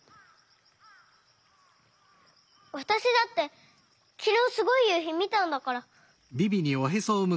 わたしだってきのうすごいゆうひみたんだから。